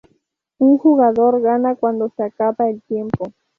Un jugador gana cuando se acaba el tiempo.